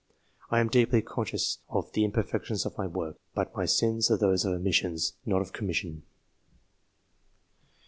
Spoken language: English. I am deeply conscious of the imperfection of my work, but my sins are those of omission, not of commission.